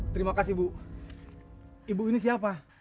terima kasih bu ibu ini siapa